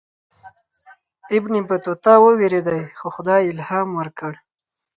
ابن بطوطه ووېرېدی خو خدای الهام ورکړ.